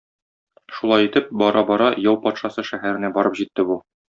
Шулай итеп, бара-бара, яу патшасы шәһәренә барып җитте бу.